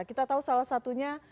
kita tahu salah satunya